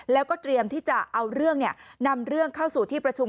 แล้วก็เตรียมที่จะเอาเรื่องนำเรื่องเข้าสู่ที่ประชุม